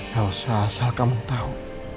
gak usah asal kamu tahu